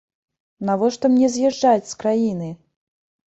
Навошта мне з'язджаць з краіны?